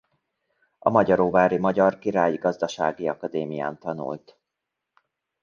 A Magyaróvári Magyar Királyi Gazdasági Akadémián tanult.